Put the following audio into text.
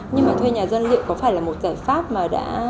nhưng mà thuê nhà dân liệu có phải là một giải pháp mà đã